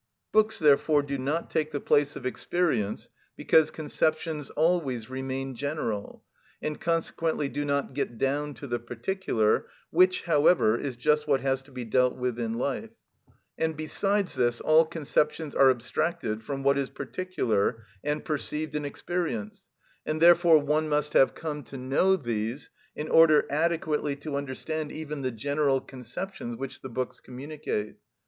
Books therefore do not take the place of experience, because conceptions always remain general, and consequently do not get down to the particular, which, however, is just what has to be dealt with in life; and, besides this, all conceptions are abstracted from what is particular and perceived in experience, and therefore one must have come to know these in order adequately to understand even the general conceptions which the books communicate.